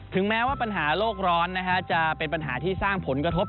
แม้ว่าปัญหาโลกร้อนจะเป็นปัญหาที่สร้างผลกระทบ